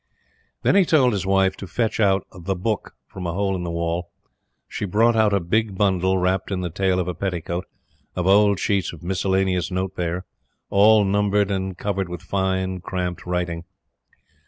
Then he told his wife to fetch out "The Book" from a hole in the wall. She brought out a big bundle, wrapped in the tail of a petticoat, of old sheets of miscellaneous note paper, all numbered and covered with fine cramped writing.